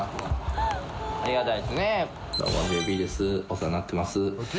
お世話になってます。